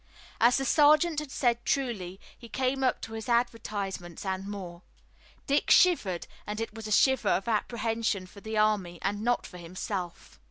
As the sergeant had said truly, he came up to his advertisements and more. Dick shivered and it was a shiver of apprehension for the army, and not for himself.